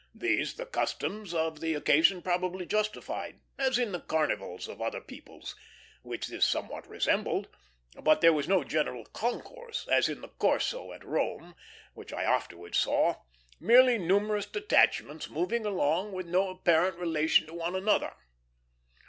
These the customs of the occasion probably justified, as in the carnivals of other peoples, which this somewhat resembled; but there was no general concourse, as in the Corso at Rome, which I afterwards saw merely numerous detachments moving with no apparent relation to one another.